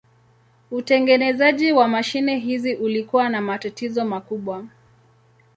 Utengenezaji wa mashine hizi ulikuwa na matatizo makubwa.